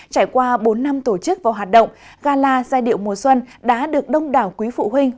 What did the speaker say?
trải qua bốn năm tổ chức và hoạt động gala giai điệu mùa xuân đã được đông đảo quý phụ huynh